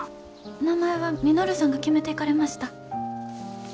名前は稔さんが決めていかれました。